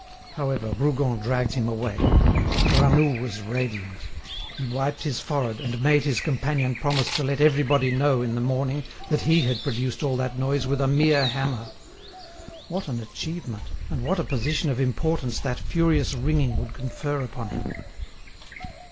However, Rougon dragged him away. Granoux was radiant. He wiped his forehead, and made his companion promise to let everybody know in the morning that he had produced all that noise with a mere hammer. What an achievement, and what a position of importance that furious ringing would confer upon him!